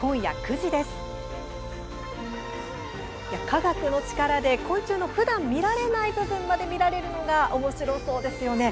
科学の力で昆虫のふだん見られない部分まで見られるのがおもしろそうですよね。